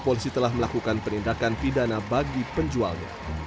polisi telah melakukan penindakan pidana bagi penjualnya